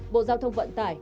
bộ giao thông vận tải